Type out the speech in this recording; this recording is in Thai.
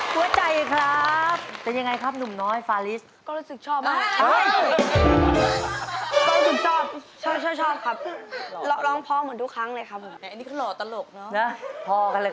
ก็แค่เพียงคำพูดไม่พอ